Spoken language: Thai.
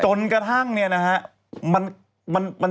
จนกระทั่งนี่นะครับ